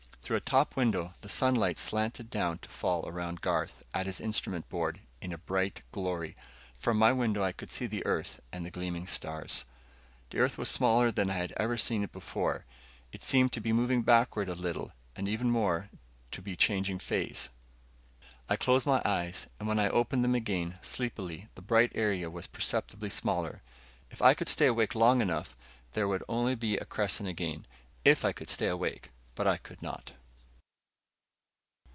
Through a top window the sunlight slanted down to fall around Garth, at his instrument board, in a bright glory. From my window I could see the Earth and the gleaming stars. The Earth was smaller than I had ever seen it before. It seemed to be moving backward a little[TN 2], and even more, to be changing phase. I closed my eyes, and when I opened them again, sleepily, the bright area was perceptibly smaller. If I could stay awake long enough, there would be only a crescent again. If I could stay awake But I could not....